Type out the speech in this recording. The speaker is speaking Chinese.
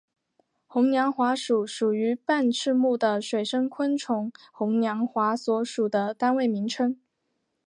红娘华属属于半翅目的水生昆虫红娘华所属的单位名称。